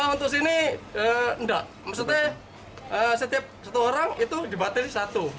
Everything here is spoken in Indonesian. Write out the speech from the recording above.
untuk sini enggak maksudnya setiap satu orang itu dibatasi satu